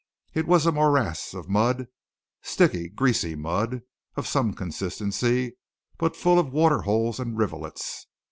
It was a morass of mud, sticky greasy mud, of some consistency, but full of water holes and rivulets.